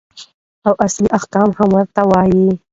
او اصلي احکام هم ورته وايي.